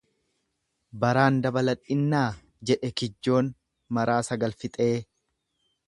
Baraan dabaladhinnaa jedhe kijjoon maraa sagal fixee.